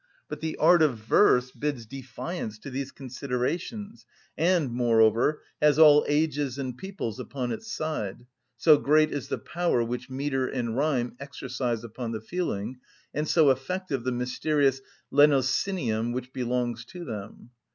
But the art of verse bids defiance to these considerations, and, moreover, has all ages and peoples upon its side, so great is the power which metre and rhyme exercise upon the feeling, and so effective the mysterious lenocinium which belongs to them.